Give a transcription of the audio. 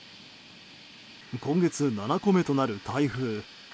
今月７個目となる台風。